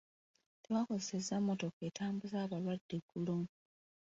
Tetwakozesezza mmotoka etambuza abalwadde eggulo.